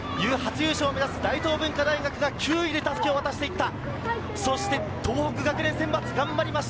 東京農業大学、中央大学、初優勝を目指す大東文化大学が９位で襷を渡していった。